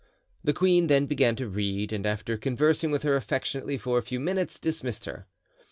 The queen then began to read, and after conversing with her affectionately for a few minutes, dismissed her.